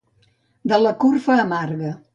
De la corfa amarga.